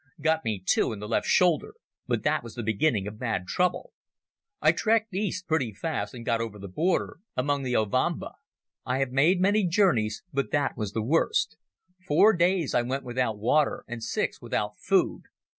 Got me too in the left shoulder. But that was the beginning of bad trouble. I trekked east pretty fast, and got over the border among the Ovamba. I have made many journeys, but that was the worst. Four days I went without water, and six without food.